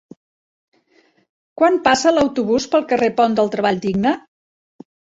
Quan passa l'autobús pel carrer Pont del Treball Digne?